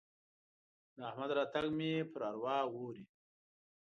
د احمد راتګ مې پر اروا اوري.